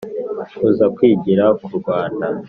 Kuza kwigira k u rwanda